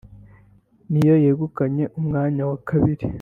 ni yo yegukanye umwanya wa kabiri